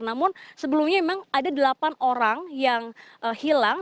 namun sebelumnya memang ada delapan orang yang hilang